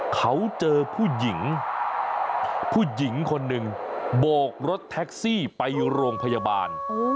เขาเจอผู้หญิงผู้หญิงคนหนึ่งโบกรถแท็กซี่ไปโรงพยาบาล